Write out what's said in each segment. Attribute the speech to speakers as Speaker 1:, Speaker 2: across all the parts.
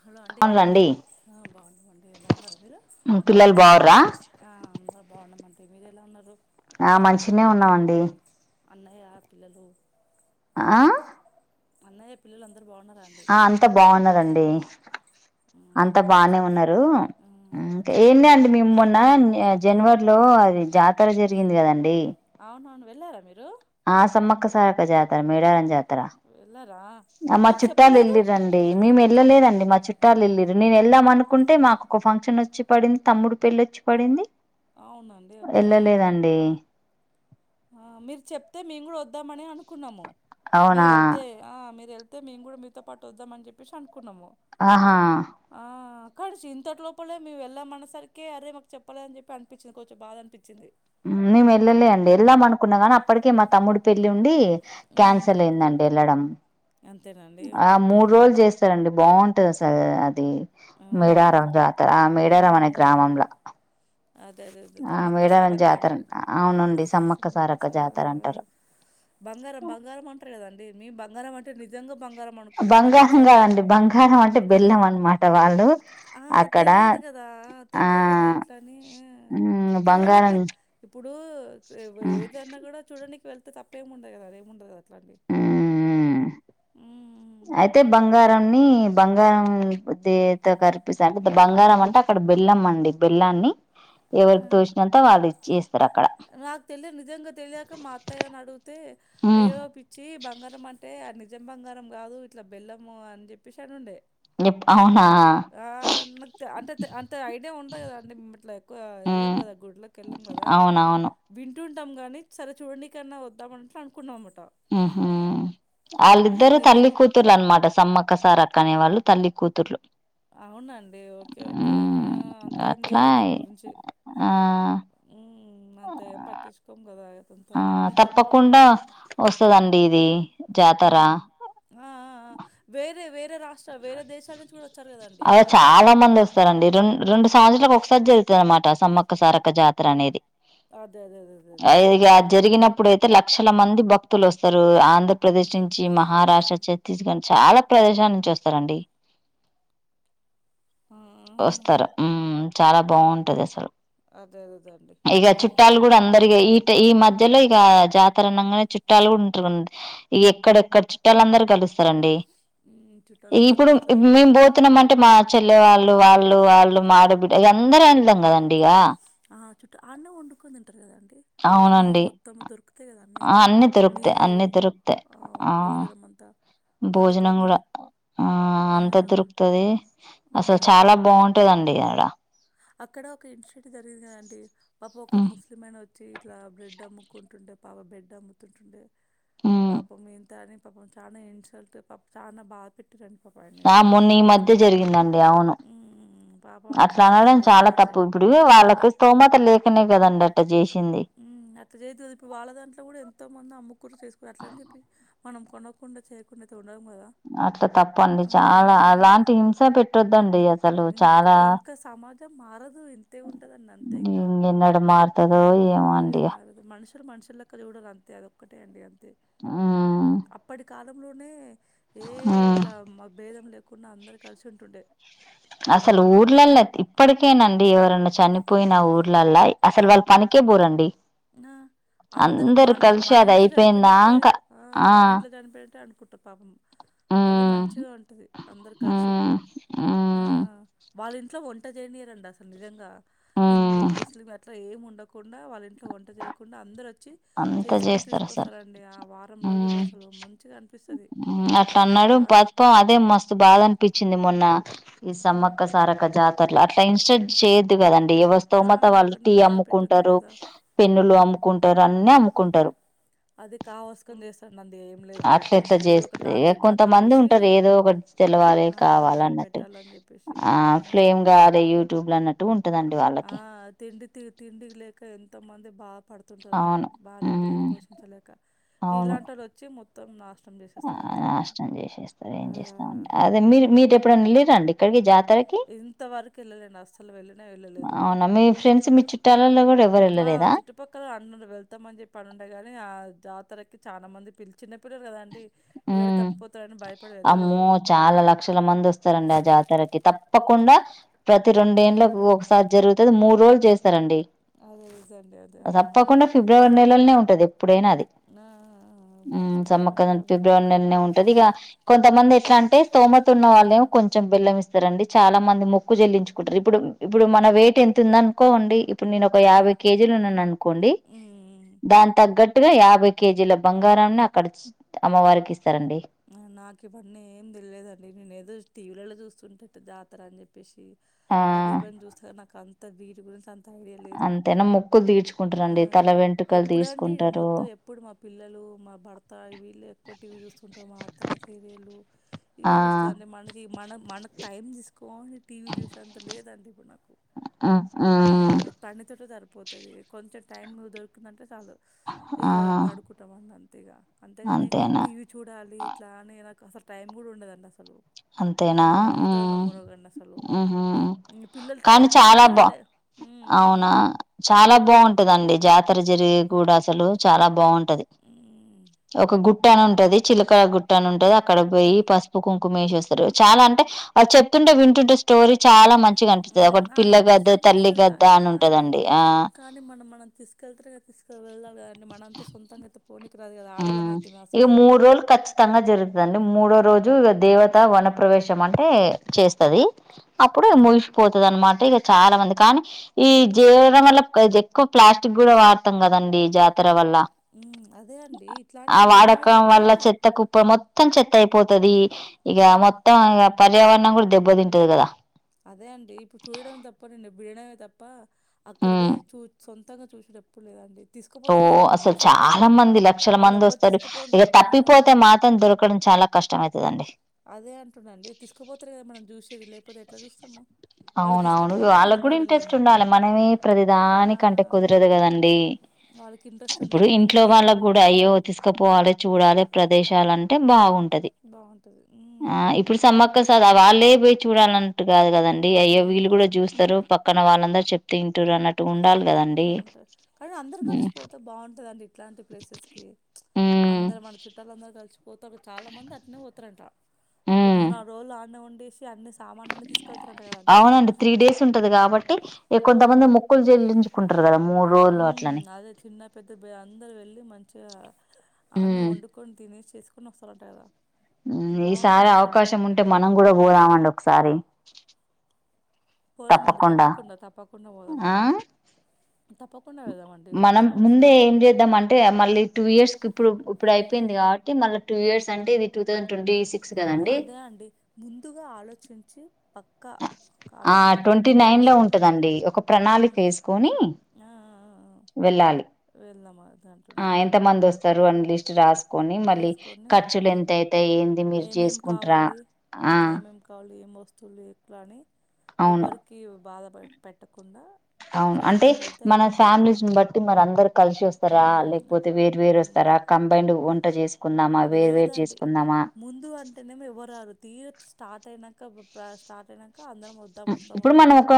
Speaker 1: Hello అండి
Speaker 2: అవునులేండి
Speaker 1: బాగున్నావ అండి బాగున్నా
Speaker 2: పిల్లలు బాగుర్రా
Speaker 1: అందరు బాగున్నామండి మీరు ఎలా ఉన్నారు
Speaker 2: ఆ మంచినే ఉన్నామండి
Speaker 1: అన్నయ పిల్లలు
Speaker 2: ఆ
Speaker 1: అన్నయ్య పిల్లలు అందరు బాగున్నారు
Speaker 2: ఆ అంతా బాగున్నారండి అంతా
Speaker 1: ఉమ్
Speaker 2: బానే
Speaker 1: చెప్
Speaker 2: ఉన్నారు
Speaker 1: ఉమ్
Speaker 2: ఇంకా ఏంటి
Speaker 1: చెప్పండి
Speaker 2: అండి మే మొన్న జనవరి లో అది జాతర జరిగింది కదండి
Speaker 1: అవున అవును వెళ్ళారా మీరు
Speaker 2: ఆ సమ్మక్క సారక జాతర మేడారం జాత
Speaker 1: వెళ్ళార
Speaker 2: మా చుట్టాలు వెళ్ళిరండి మేము
Speaker 1: మాకు
Speaker 2: వెళ్ళలేదండి మా చుట్టాలు వెళ్ళరరు నేను వెళ్దాం అనుకుంటే మాకు ఫంక్షన్ వచ్చి పడింది తమ్ముడు పెళ్ళి వచ్చి పడింది
Speaker 1: అవునండి ఓకే ఆ
Speaker 2: వెళ్ళలేదండి
Speaker 1: ఆ మీరు చెప్తే మేము కూడా వద్దామని అనుకున్నాము మీరు
Speaker 2: అవునా
Speaker 1: వెళ్తే ఆ మీరు వెళ్తే అతే మేము కూడా మీతో పాటు వద్దాం అని చెప్పేసి అనుకున్నాము
Speaker 2: ఆహా
Speaker 1: ఆ కాడి ఇంతటి లోపలే మేము వెళ్ళామన్నసరికే అరే మాకు చెప్పలేని చెప్ప అనిపించింది కొంచెం బాధ అనిపించింది
Speaker 2: మేము వెళ్ళలే అండి వెళ్ళాం అనుకున్నాం నీ అప్పటికే మా తమ్ముడి పెళ్లి ఉండి
Speaker 1: హ్మ్.
Speaker 2: క్యాన్సల్ అయిందండి వెళ్ళడం
Speaker 1: అంతేనండి.
Speaker 2: ఆ మూడు రోజులు
Speaker 1: ఓకేలేండి.
Speaker 2: చేస్తారండి బాగుంట టది స అది
Speaker 1: అవునండి.
Speaker 2: మేడారం జాతర ఆ మేడారం అనే
Speaker 1: హ్మ్.
Speaker 2: గ్రామంలా
Speaker 1: అదే అదే అదే
Speaker 2: ఆ
Speaker 1: సమ్మక్క
Speaker 2: మేడారం
Speaker 1: సారక్క
Speaker 2: జాతర
Speaker 1: అంటారు.
Speaker 2: అవునుండి సమ్మక్క సారక్క జాతర అంటారు
Speaker 1: బంగారం బంగారం అంటారు కదండి మేము బంగారం అంటే నిజంగా బంగారం అనుకున్నాను. నాకు
Speaker 2: బంగారం
Speaker 1: ఇట్లా అని తెల
Speaker 2: కాదండి బంగారం అంటే బెల్లం అనమాట వాళ్ళు
Speaker 1: ఆ
Speaker 2: అక్కడ
Speaker 1: తెలియదు కదా
Speaker 2: ఆ
Speaker 1: తెలియదు కదా ఇట్లాని చూడనికి
Speaker 2: బంగారం
Speaker 1: ఇప్పుడు ఏదన్నా కూడా చూడ నికి వెళతే తప్పే ముండదు అదే ముండదు అట్లా హ్మ్.
Speaker 2: ఆ అయితే బంగారం ని బంగారం దే కర్పిస్తంది అంటే బంగారం అంటే అక్కడ బెల్లం అండి బెల్లాన్ని
Speaker 1: ఆ!
Speaker 2: ఎవరికి తోసినంత వాళ్ళు ఇచ్చేస్త
Speaker 1: నాకు తెలియదు నిజంగా తెలియక మా అత్తయ్యని అడిగితే అయ్యో పిచ్చి బంగారం అంటే ఆ నిజం బంగారం కాదు ఇట్లా బెల్లము అని చెప్పేసి అని
Speaker 2: చెప్ అవునా
Speaker 1: ఆ నాకు అంటే అంతే ఐడియా ఉండ కదాండి మ ఇట్లా ఎళ్లం
Speaker 2: ఉమ్
Speaker 1: పోదా గుడ్లకి ఎళ్లం కదా
Speaker 2: అవునవును
Speaker 1: విన్ టుంటాం కానీ సరే చూడడికైన్నా వద్దాం అన్నట్టు అనుకున్నాం అన్నమాట
Speaker 2: ఉహూ వాళ్ళిద్దరు తల్లి
Speaker 1: నిజంగా
Speaker 2: కూతురు అనమాట సమ్మక్కసారక్కనే వాళ్ళు తల్లి కూతురు
Speaker 1: అవునండి ఓకే ఓకే
Speaker 2: ఉమ్
Speaker 1: అంత ఏం
Speaker 2: అట్లా
Speaker 1: తెలియదు దాని గురించి
Speaker 2: ఆ
Speaker 1: ఉమ్ అంతేం పట్టించుకోం కదా అంత
Speaker 2: ఆ
Speaker 1: గమనించాం
Speaker 2: తప్పకుండా వస్తుదండి ఇది జాతర
Speaker 1: ఆ ఆ వేరే వేరే రాష్ట్ర వేరే దేశాల నుంచి కూడా వచ్చారు కదండి
Speaker 2: అది
Speaker 1: చూసాము
Speaker 2: చాలా మంది వస్తారండి రెం రెండు సంవత్సరాలకు ఒకసారి జరుగుతుంది అనమాట సమ్మక్క సారక జాతర అనేది
Speaker 1: అదే అదే అదే అదే అదే
Speaker 2: అది జరిగినప్పుడుయితే లక్షల మంది భక్తులు వస్తారు ఆంధ్రప్రదేశ్ నుంచి మహారాష్ట్ర ఛత్తీస్గఢ్ చాలా ప్రదేశాల నుంచి వస్తారండి
Speaker 1: ఆ, ఆ, ఆ.
Speaker 2: వస్తారు చాలా బాగుంటది అసలు
Speaker 1: అదే అదేదండి
Speaker 2: ఇగ
Speaker 1: ఉమ్
Speaker 2: చుట్టాలు కూడా అందరి ఈ ఈ మధ్యలో ఇక జాతరణంగానే చుట్టాలు కూడా ఉంట ఇక ఎక్కడెక్కడ చుట్టాల అందరు కలుస్త రండి
Speaker 1: ఉమ్ చుట్టాలందరూ
Speaker 2: ఇప్పుడు
Speaker 1: వస్తారు
Speaker 2: మే పోతున్నాం అంటే మా చెల్ల వాళ్ళ వాళ్ళు వాళ్ళు మా ఆడ బిడ్డ ఇగా అందరం వెళ్తాం కదండి ఇగ
Speaker 1: చుట్ట అన్నండుకు అక్కనే
Speaker 2: అవునండి
Speaker 1: మొత్తం దొరుకుతాయి కదండీ
Speaker 2: ఆ అన్ని దొరుకుతాయి
Speaker 1: నీళ్లు
Speaker 2: అన్ని దొరుకుతాయి
Speaker 1: అ
Speaker 2: ఆ
Speaker 1: భోజనము అంతా
Speaker 2: భోజనం
Speaker 1: వండుకొని తిన
Speaker 2: కూడా ఆ అంత దొరుకుతది అసలు
Speaker 1: ఆ
Speaker 2: చాలా బాగుంటది అండి ఆడ
Speaker 1: అక్కడ ఒక ఇన్సిడెంట్ జరిగింది కదాంటడి పాప ఒక
Speaker 2: ఉమ్
Speaker 1: ముస్లిం ఆయన వచ్చి ఇట్లా బ్రెడ్ అమ్ము కొకుంటుండే పాపం బ్రెడ్ అమ్ముతుంటుండే
Speaker 2: ఉమ్
Speaker 1: పాప మంతా చానా ఇన్సల్ట్ చానా బా పాపం ఆయనే
Speaker 2: ఆ మొన్న ఈ
Speaker 1: చూ
Speaker 2: మధ్య జరిగిందండి అవును అట్లా అనడం
Speaker 1: అనిపించిందండి
Speaker 2: చాలా
Speaker 1: అట్లా చే
Speaker 2: తప్పు ఇప్పుడు
Speaker 1: తప్పు కదా
Speaker 2: వాళ్ళకి స్తోమత లేకనే కదండి అట్ట చేసి
Speaker 1: అట్లా చేయదు కదదు ఇప్పుడు వాళ్ళ దాంట్లో కూడా ఎంతో మంది అమ్ముకూరు చేసుకోరు అట్ల అని చెప్పి మనం కొనకుండా చేయకుండా అయితే ఉండం కదా
Speaker 2: అట్లా తప్పండి
Speaker 1: ఆ
Speaker 2: చాలా అలాంటి హింస పెట్టొద్దండి అసలు
Speaker 1: ఇంకా
Speaker 2: చాలా
Speaker 1: ఇంకా సమాజం మారదు ఇంతే ఉంటదండి అంతే ఇంగా ఆ
Speaker 2: ఏమండీ
Speaker 1: దరు మనుషులక్క చూడరు అంతే అదొక్కటే అండి అంతే
Speaker 2: ఉమ్
Speaker 1: అప్పటి కాలంలోనే ఏ
Speaker 2: ఉమ్
Speaker 1: ఇట్లా భేదం లేకుండా అందరు కలిసి ఉంటుండే
Speaker 2: అసలు ఊర్లల్ల ఇప్పటికేనాండి ఎవరన్నా చనిపోయిన ఊర్లలా అసలు వాళ్ళ పనికి కే బోరండి
Speaker 1: ఆ అందరు మన మన
Speaker 2: అది
Speaker 1: ఇంట్లో చనిపోయినట్టే
Speaker 2: అయిపోయిందాంక
Speaker 1: ఆ మన ఇంట్లో చనిపోయినట్టే అనుకు కుట్ట పాపం అది
Speaker 2: హ్మ్
Speaker 1: మంచిగా ఉంటుంది అందరు కలిసి
Speaker 2: హ్మ్ హ్మ్
Speaker 1: వాళ్ళ ఇంట్లో వంట చేయనీయరండి అసలు నిజంగా హిందూ
Speaker 2: హ్మ్
Speaker 1: ముస్లిం అట్లా ఏమి ఉండకుండా వాల్లిన్ ట్లో వంట చేయకుండా అందరొ చ్చి
Speaker 2: అంతా
Speaker 1: చేసుకని
Speaker 2: చేస్తారు అసలు
Speaker 1: తీసుకొస్తారండి ఆ వారం రోజులు
Speaker 2: హ్మ్
Speaker 1: అసలు మంచిగా అనిపిస్తది
Speaker 2: హ్మ్
Speaker 1: ఆ!
Speaker 2: [unintelligible] అదే మస్తు బాధనిపిచ్చింది మొన్న ఈ
Speaker 1: హ్మ్.
Speaker 2: సమ్మక్క సారక్క జాతరలు అట్లా ఇన్స్టట్ చేయద్దు కదన్ డి ఎవరి
Speaker 1: ఆ!
Speaker 2: స్థోమత వాళ్ళు
Speaker 1: ఒకరిని
Speaker 2: టీ
Speaker 1: బాధ పెట్టొద్దు
Speaker 2: అమ్ముకుంటారు
Speaker 1: గదా!
Speaker 2: పెన్నులు అమ్ముకుంటారు అన్ని అమ్ముకుంటారు
Speaker 1: అది కావాసకుని చేస్తాను అండి ఏం లేదు
Speaker 2: అట్ల ఎట్లా
Speaker 1: కొంతం ఏదో ఒక
Speaker 2: చేస్తే
Speaker 1: టార్గెట్ లక్క
Speaker 2: కొంతమంది
Speaker 1: చేసి
Speaker 2: ఉంటారు ఏదో ఒకటి తెలవాలి
Speaker 1: ఆ
Speaker 2: కావాలన్నట్టు
Speaker 1: పెట్టాలని చెప్పేసి
Speaker 2: ఆ ఫ్రేమ్
Speaker 1: మ్మ్
Speaker 2: గాదే యూట్యూబ్ లో అన్నట్
Speaker 1: ఆ తిండి తిండికి లేక ఎంతో మంది పా పడుతుంటారు
Speaker 2: అవును
Speaker 1: భార్య పిల్లలని
Speaker 2: ఉమ్
Speaker 1: పోషించలేక
Speaker 2: అవును
Speaker 1: ఇలాంటిళ్ళ వచ్చి మొత్తం నాశ
Speaker 2: ఆ నాశనం చేసేస్తాది ఏం
Speaker 1: ఆ
Speaker 2: చేస్తామండి అదే మీరు మీరు ఎప్పుడైనా ఎల్లిర్రా అండి ఇక్కడికి జా
Speaker 1: ఇంతవరకు వెళ్ళలేను అసలు వెళ్ళినా వెళ్ళలేదు
Speaker 2: అవునా మీ ఫ్రెండ్స్ మీ చుట్టాలలో కూడా ఎవరు
Speaker 1: ఆ
Speaker 2: వెళ్ళలేదా
Speaker 1: చుట్టుపక్కల అన్న వెళ్తామని చెప్పి అనిండ గాని ఆ జా తరకి చాలా మంది పిల్ చిన్న పిల్లలు కదన్
Speaker 2: మ్మ్ అమ్మో
Speaker 1: వెళ్ళలేదు
Speaker 2: చాలా లక్షల మంది వస్తారండి ఆ జాతరకి తప్ ప్పకుండా ప్రతి రెండేండ్లకి ఒకసారి జరుగుతుంది మూడు రోజులు చేస్తారండి
Speaker 1: అదే రీజన్ అండి అదే ఆ
Speaker 2: తప్పకుండా ఫిబ్రవరి నెలల్నే ఉంటది ఎప్పుడైనా అది
Speaker 1: ఆ
Speaker 2: ఉమ్
Speaker 1: మస్తు మంది
Speaker 2: సమ్మక్క
Speaker 1: అందరు
Speaker 2: ఫిబ్రవరి నెల్నే ఉంటది ఇగ కొంతమంది ఎట్లా అంటే స్థోమత ఉన్న వాళ్ళేమో కొంచెం బెల్లం ఇస్తారండి చాలా మంది మొక్కు చెల్లించుకుంటారు ఇప్పుడు ఇప్పుడు మన వెయిట్ ఎంత ఉంది అనుకోండిప్ ఇప్పుడు నేను ఒక యాభై కేజీలు ఉన్నాననుకోండి
Speaker 1: ఉమ్,
Speaker 2: దాని తగ్గ ట్టుగా యాభై కేజీల బంగారాన్ని అక్కడ అమ్మవారికి ఇస్
Speaker 1: నాకు ఇవన్నీ ఏమి తెలిలేదండి నేను ఏదో టీవీలలో చూస్తుంటట్టు జాతర అని చెప్పేసి
Speaker 2: ఆ
Speaker 1: అది ఇవన్నీ చూస్తే నాకు అంత వీటి గురించి అన్
Speaker 2: అంతేనా ముక్కులు తీర్చుకుంట
Speaker 1: ఆ ఎప్పుడంటి మొత్తం ఎప్పుడు మా పిల్లలు మా భర్త వీళ్ళు ఎక్కువ టీ వి చూసు
Speaker 2: ఆ
Speaker 1: టీవీ చూస్తాంది మనది మన మనకు టైమ్ తీస్ కోని టీవీ చూసే అంత లేదండి మనకు
Speaker 2: ఉమ్
Speaker 1: ఆ
Speaker 2: ఉమ్
Speaker 1: పని తోటే సరి పోతది కొంచెం టైం దొరికిందంటే చాలు ఇగ
Speaker 2: ఆ
Speaker 1: పడుకుంటాం వాళ్ళ అంతే ఇక అంతేగాని
Speaker 2: అంతేనా
Speaker 1: టీవీ చూడాలి ఇట్లా అనే నాకు అసలు టైం కూడా ఉండదండి అసలు
Speaker 2: అంతేనా
Speaker 1: మీరు నమ్ముతారో
Speaker 2: మ్మ్
Speaker 1: నమ్మరో గాని అసలు.
Speaker 2: మ్మ్
Speaker 1: ఇంగ పిల్లలు టై
Speaker 2: కానీ
Speaker 1: టీవీ
Speaker 2: చాలా
Speaker 1: గూడా
Speaker 2: బా
Speaker 1: టై హ్మ్.
Speaker 2: అవునా
Speaker 1: హ్మ్.
Speaker 2: చాలా బాగుంటదండి జా తర జరిగే కూడా అసలు చాలా బాగుంటది
Speaker 1: హ్మ్.
Speaker 2: ఒక గుట్ట అని ఉంటది చిలకల గుట్ట అని ఉంటది అ అక్కడ పోయి
Speaker 1: హ్మ్.
Speaker 2: పసుపు కుంకుమేసి వస్తారు చాలా అంటే అ చెప్తుంటే వింటుంటే స్టోరీ చాలా మన్ చిగ కనిపింది
Speaker 1: హ్మ్.
Speaker 2: ఒకటి
Speaker 1: ఆ!
Speaker 2: పిల్ల
Speaker 1: ఇంట్రెస్ట్
Speaker 2: గద్ద తల్లి
Speaker 1: అనిపిస్తది
Speaker 2: గద్దా
Speaker 1: కానీ
Speaker 2: అని
Speaker 1: ఆ!
Speaker 2: ఉంటదండి ఆ
Speaker 1: కానీ మనం మనం తీసుకెళ్తారు తీసుకె వెళ్లాలి కదండి మనంత సొంతంగా అయితే పోనీకి రాదు కదా. ఆడోళ్ళం
Speaker 2: మ్మ్
Speaker 1: అయితిమి
Speaker 2: ఇగ
Speaker 1: అసలే.
Speaker 2: మూడు రోజులు ఖచ్చితంగా జరుగుతుండి మూడో రోజు ఇగ దేవ త వనప్రవేశం అంటే చేస్తది అప్పుడు ముగిసిపోతది అన్నమాట ఇక చాలా మంది కా కానీ ఈ జేయడం వల్ల ఎక్కువ ప్లాస్టిక్ కూడా వాడతాం కదండి జాతర వల్ల.
Speaker 1: మ్మ్ అదేన్
Speaker 2: ఆ వాడకం వల్ల చెత్త కుప్ప మొత్తం చెత్త అయిపోతది. ఇగ మొత్తం ఇక పర్యావరణం కూడా దెబ్బతింటది కదా
Speaker 1: అదే అండి ఇప్పుడు చూడడం తప్పనండి బిడడమే తప్ప అక్కడ పోయి
Speaker 2: మ్మ్
Speaker 1: చూ సొం త్తంగా చూసేటప్పుడు లేదండి
Speaker 2: ఓ
Speaker 1: తీసుకుపోతారు కదా మనం
Speaker 2: అసలు
Speaker 1: చూసేది
Speaker 2: చాలా మంది లక్షల
Speaker 1: వాళ్ళు
Speaker 2: మంది
Speaker 1: ఎవ్వరు
Speaker 2: వస్తారు
Speaker 1: తీసుకుపో
Speaker 2: ఇక
Speaker 1: ఆ,
Speaker 2: తప్పిపోతే మాత్రం దొరకడం చ చాలా కష్టమే
Speaker 1: అదే అంటుండండి తీ సుకుపోతారు కదా మనం చూసేది లేకపోతే ఎట్లా చూస్తాం మనం
Speaker 2: అవునవును వాళ్ళకి కూడా ఇంట్రెస్ట్
Speaker 1: చూడలేము
Speaker 2: ఉండాలి మనమే
Speaker 1: ఆ,
Speaker 2: ప్రతిదానికంటే కుదరదు కదండి.
Speaker 1: వాళ్ళకి ఇంట్రెస్ట్
Speaker 2: ఇప్పుడు
Speaker 1: ఉండదు మనం
Speaker 2: ఇంట్లో వాళ్ళకి కూడా
Speaker 1: తీసుకుపోరు
Speaker 2: అయ్యో తీసుకుపోవాలి చూడాలి ప్రదేశ లాంటే బాగుంటది ఆ
Speaker 1: బాగుంటుంది
Speaker 2: ఇప్పుడు సమ్మక్క స్ వాళ్ళే పోయి చూడాలన్నట్టు కాదు కదం ఇగ అయ్యో వీళ్ళు కూడా చూస్తారు పక్కన వాళ్ళందరూ చెప్తే ఇంటారు అన్నట్టు ఉండాలి కదండి
Speaker 1: వుంటది కానీ అందరు కలిసిపోతే బాగుంటదండి ఇట్లాంటి ప్లేసెస్కి
Speaker 2: ఉమ్
Speaker 1: అందరు మన చుట్టాల అందరూ కలిస్ పోతాడు చాలా మంది అట్నే పోతారంట ఒక
Speaker 2: ఉమ్
Speaker 1: మూడు నలుగు రోజులు అన్నే ఉన్
Speaker 2: అవునండి త్రీ డేస్ ఉంటది కాబట్టి ఇక
Speaker 1: ఉమ్,
Speaker 2: కొంతమంది మొక్కలు చెల్లించుకుంటారు కదా మూడు రోజులు
Speaker 1: ఉమ్,
Speaker 2: అట్లని
Speaker 1: అదే చిన్న పెద్ద బే- అందరు వెళ్ళి మంచిగా ఆన్న
Speaker 2: ఉమ్
Speaker 1: వండుకొని తినేసి చేసుకుని వస్తారు అంట గాదా
Speaker 2: ఉమ్ ఈసారి అవకాశం ఉంటే మనం కూడా పోదామండి ఒకసారి
Speaker 1: పోదామండి తప్పకుండా తప్పకుండా
Speaker 2: ఆ
Speaker 1: పోదామండి తప్పకుండా వెళ్దామండి
Speaker 2: మనం
Speaker 1: వద్ద-
Speaker 2: ముందే
Speaker 1: వస్తాము
Speaker 2: ఏం చేద్దామంటే మళ్ళీ టూ ఇయర్స్ కి ఇప్పుడు ఇప్పుడు అయిపోయింది
Speaker 1: ఉమ్.
Speaker 2: కాబట్టి మళ్ళ టూ ఇయర్స్ అంటే ఇది టూ తౌసంద్ ట్వంటీ సిక్
Speaker 1: అదే అండి ముందుగా ఆలోచించి పక్కా
Speaker 2: ఆ
Speaker 1: కాలంలో
Speaker 2: ట్వంటీ
Speaker 1: పక్కగా
Speaker 2: నైన్ లో
Speaker 1: చేసుకుని
Speaker 2: ఉంటదండి ఒక ప్రణాళిక
Speaker 1: ఉమ్
Speaker 2: వేసుకుని
Speaker 1: ఆ ఆ ఆ
Speaker 2: వెళ్ళాలి
Speaker 1: ఆ, వెళ్దాం అది
Speaker 2: ఆ
Speaker 1: అంటున్నాండి
Speaker 2: ఎంత మంది వస్తారు అన్ లిస్ట్ కని మళ్ళీ
Speaker 1: చేసుకొని
Speaker 2: ఖర్చులు ఎంత అయితా ఏంది మీరు
Speaker 1: ఏమేమి
Speaker 2: చేసుకుంట్ర
Speaker 1: కావాలి
Speaker 2: ఆ
Speaker 1: ఏమేమి కావాలి ఏం వస్తువులు ఎట్లాని
Speaker 2: అవును
Speaker 1: ఎవ్వరికీ బాధ పెట్టకుండా
Speaker 2: అవును అంటే
Speaker 1: చూసుకొని వెళ్తే
Speaker 2: మన
Speaker 1: అయిపోతది
Speaker 2: ఫ్యామిలీస్ని బట్టి మరి అందరు కలిసి వస్త స్తారా
Speaker 1: ఉమ్
Speaker 2: లేకపోతే
Speaker 1: అట్లా
Speaker 2: వేరు వేరు వస్తారా
Speaker 1: ఉమ్
Speaker 2: కంబైండ్ వంట చేసి
Speaker 1: లేదండి ముందు అంటేనేమి ఎవరారు తీ స్టార్ట్ అయినాక స్టార్ట్ అయినా
Speaker 2: ఇప్పుడు మనం ఒక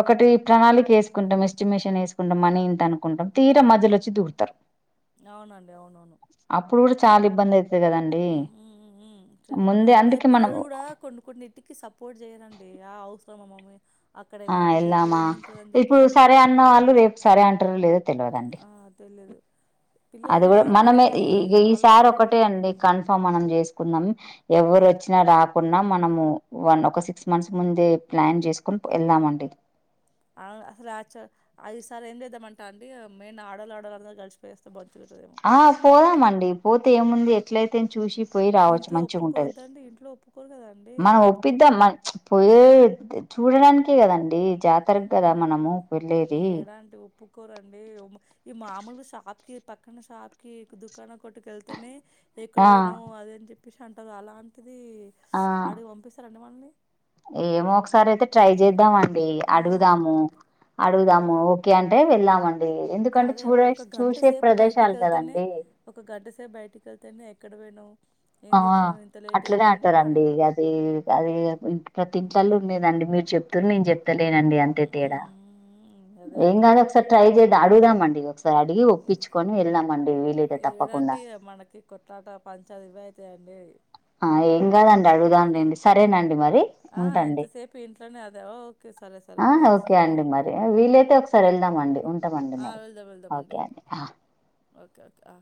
Speaker 2: ఒకటి ప్రణాళిక వేసుకుంటాం ఎస్టిమేషన్ వేసుకుంటా మనీ ఇంత అనుకుంటాం తీర మధ్యలో వచ్చి దూరుతారు
Speaker 1: అవునండి అవునవును
Speaker 2: చాలా ఇబ్బందయిత్ అండి
Speaker 1: హ్మ్మ్ సరే పిల్లలు కూడా కొన్ని కొన్నింటికి సపోర్ట్ చేయ్యరండి ఆ హౌ [unintelligible] మమ్మి
Speaker 2: ఆ ఎల్లామా ఇప్పుడు
Speaker 1: అంటారు.
Speaker 2: సరే అన్నవాళ్ళు రేపు సరే అంటారు లేదు
Speaker 1: ఆ తెలియదు
Speaker 2: అది కూడా మనమే ఇఇ ఈ సారి
Speaker 1: చేయరు.
Speaker 2: ఒకటే అండి కన్ఫామ్ మనం చేసుకుందాం ఎవరు
Speaker 1: హ్మ్.
Speaker 2: వచ్చినా రా కున్నా మనము వన్ ఒక సిక్స్ మంత్స్ ముందే ప్లాన్ చేసుకుని ఎళ్దామండి
Speaker 1: అసలు ఆచ ఈ ససారి ఏం ఎంజేద్దామంటె అండి మేన్ ఆడలు ఆడాళ్ళందరూ గడిచిపోయేస్తే బ
Speaker 2: ఆ పోదామండి పోతే ఏముంది ఎట్లయితే చూసి పోయి రావచ్చు
Speaker 1: ఇంట్లో
Speaker 2: మంచి ఉంటది
Speaker 1: ఒప్పుకోవద్దండి. ఇంట్లో ఒప్పుకోరు గదండీ.
Speaker 2: మనం
Speaker 1: ఎట్లా
Speaker 2: ఒప్పిద్దాం
Speaker 1: ఒప్పుకుంటారు?
Speaker 2: మ పోయే చూడడానికే కదండి జాతరకు కదా మనము వెళ్ళేది
Speaker 1: ఏడాంటి ఉప్పుకోరండి ఈ మామూలు శా పక్కన షాప్ కి దుకాణ కొట్కెళ్తానే ఎక్కడ
Speaker 2: ఆ
Speaker 1: పోను అద అని చెప్పి ప్రశాంతం గా అంటుంది అలాంటిది
Speaker 2: ఆ
Speaker 1: అడిగి పంపిస్తారండి మళ్ళని
Speaker 2: ఏమో ఒకసారి అయితే ట్రై చేద్దాంండి
Speaker 1: ఆ!
Speaker 2: అడుగుదాము
Speaker 1: ఒక్
Speaker 2: అడుగుదాము ఓకే అంటే అంట వెళ్ళమండి
Speaker 1: అదే ఒక గంట సేపు బయటికి
Speaker 2: ప్రదేశాలు
Speaker 1: వెళ్తేనే
Speaker 2: కదండి
Speaker 1: ఒక గంట సేపు బయటిక వెళ్తేనే ఎక్కడ వె
Speaker 2: ఆ అట్లనే
Speaker 1: చెప్పి
Speaker 2: అంటారంండి
Speaker 1: అంటారు.
Speaker 2: అది అది ప్రతి అల్లు ఉ లేదండి మీరు చెప్తుూ నేను చెప్తాను నేనండి అంతే తేడా
Speaker 1: హ్మ్. అదే
Speaker 2: ఏం అద
Speaker 1: అంటారా
Speaker 2: ఒకసారి ట్రై చే అడుగుదాంండి అడిగి ఒప్పించుకొని వెళ్ళినామండి వీలితే
Speaker 1: ఏడంటే
Speaker 2: తప్పకుండా
Speaker 1: త అనే
Speaker 2: ఆ ఏం కాదండి అడుగుదాంండి సరేనండి మరి
Speaker 1: ఆ!
Speaker 2: ఉంటండి
Speaker 1: ఎంతసేపు ఇంట్లోనే అదే ఓకే. సరే సరే
Speaker 2: ఆ
Speaker 1: అండి. ఎంతసే
Speaker 2: ఓకే అండి
Speaker 1: హ్మ్.
Speaker 2: మరి వీలైతే ఒకస సర వెళ్దామ అండి ఉంటామండి
Speaker 1: ఆ,
Speaker 2: మరి
Speaker 1: వెళ్దాం వెళ్దాం
Speaker 2: ఓకే అండి
Speaker 1: ఓకే ఓకే ఆ